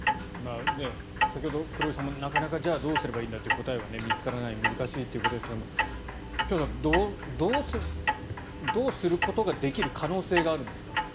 先ほど黒井さんもなかなかじゃあどうすればいいんだという答えが見つからない難しいということでしたが辺さん、どうすることができる可能性があるんですか？